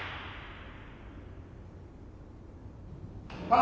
あ！